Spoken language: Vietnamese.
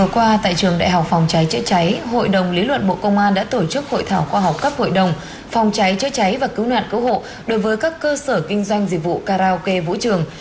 hôm qua tại trường đại học phòng cháy chữa cháy hội đồng lý luận bộ công an đã tổ chức hội thảo khoa học cấp hội đồng phòng cháy chữa cháy và cứu nạn cứu hộ đối với các cơ sở kinh doanh dịch vụ karaoke vũ trường